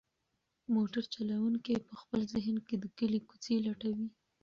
موټر چلونکی په خپل ذهن کې د کلي کوڅې لټوي.